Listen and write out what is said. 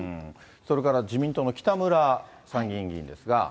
それから自民党の北村参議院議員ですが。